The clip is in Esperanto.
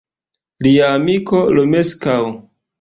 Lia amiko Romeskaŭ.